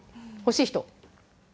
欲しい人？